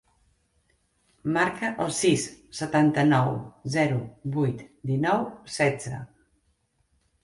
Marca el sis, setanta-nou, zero, vuit, dinou, setze.